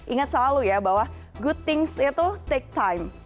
ingat selalu ya bahwa good things itu take time